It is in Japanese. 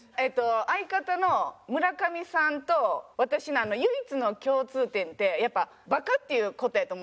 相方の村上さんと私の唯一の共通点ってやっぱバカっていう事やと思うんですよ。